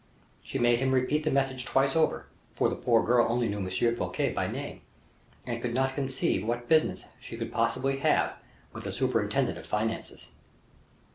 She made him repeat the message twice over, for the poor girl only knew M. Fouquet by name, and could not conceive what business she could possibly have with a superintendent of finances.